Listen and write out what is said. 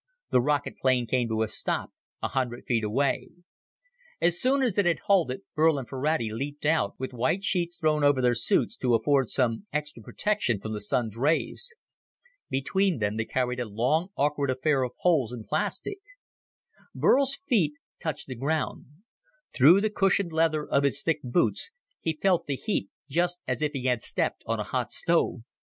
The rocket plane came to a stop a hundred feet away. As soon as it had halted, Burl and Ferrati leaped out, with white sheets thrown over their suits to afford some extra protection from the Sun's rays. Between them they carried a long, awkward affair of poles and plastic. Burl's feet touched the ground; through the cushioned leather of his thick boots he felt the heat just as if he had stepped on a hot stove.